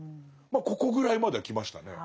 まあここぐらいまでは来ましたね。